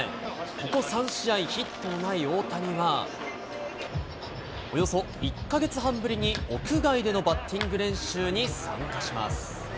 ここ３試合ヒットのない大谷は、およそ１か月半ぶりに屋外でのバッティング練習に参加します。